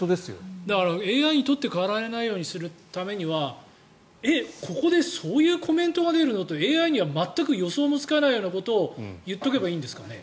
ＡＩに取って代わられないようにするためにはえっ、ここでそういうコメントが出るの？っていうＡＩには全く予想がつかないことを言っておけばいいんですかね。